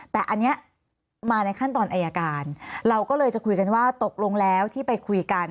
แต่อันนี้มาในขั้นตอนอายการเราก็เลยจะคุยกันว่าตกลงแล้วที่ไปคุยกัน